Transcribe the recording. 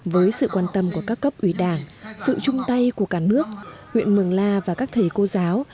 với sự quan tâm của các cấp ủy đảng sự chung tay của cả nước huyện mường la và các thầy cô giáo